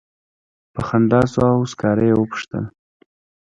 په خندا شو او سکاره یې وپوښتل.